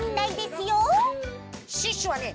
シュッシュはね